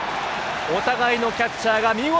お互いのキャッチャーが見事。